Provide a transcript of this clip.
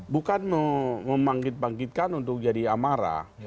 bukan membangkit bangkitkan untuk jadi amarah